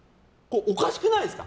おかしくないですか